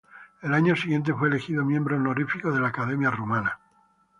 El año siguiente fue elegido miembro honorífico de la Academia Rumana.